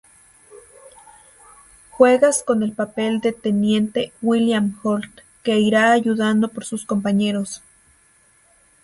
Juegas con el papel del Teniente William Holt, que irá ayudado por sus compañeros.